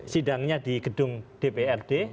sidangnya di gedung dprd